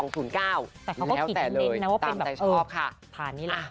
แต่เขาก็ถิดในเน็ตนะว่าเป็นแบบเออภาพนี้แหละแล้วแต่เลยตามใจชอบค่ะ